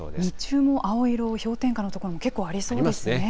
日中も青色、氷点下の所も結構ありそうですね。